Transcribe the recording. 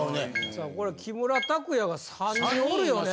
さあこれ木村拓哉が３人おるよね。